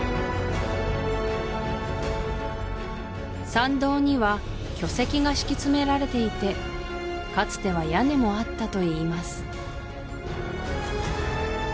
参道には巨石が敷き詰められていてかつては屋根もあったといいます